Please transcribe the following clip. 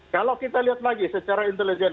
kalau kita lihat lagi secara intelijen